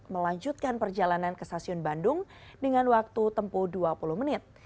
ketika penumpang sudah menemukan perjalanan ke stasiun bandung dengan waktu tempuh dua puluh menit